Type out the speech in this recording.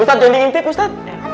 ustadz jangan diintip ustadz